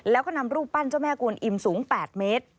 แล้วก็นำรูปปั้นเจ้าแม่กวนอิ่มสูง๘เมตร